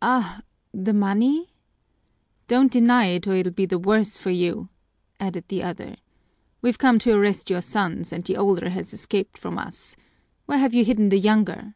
"Ah! The money " "Don't deny it or it'll be the worse for you," added the other. "We've come to arrest your sons, and the older has escaped from us. Where have you hidden the younger?"